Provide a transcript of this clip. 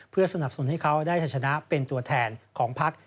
เพื่อสนับสนุนให้เขาได้ใช้ชนะเป็นตัวแทนของพัก